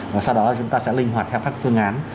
và sau đó là chúng ta sẽ linh hoạt theo các phương án